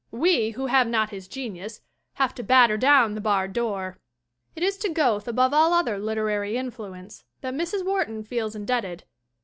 We, who have not his genius, have to batter down the barred door. It is to Goethe above all other literary influence that Mrs. Wharton feels indebted.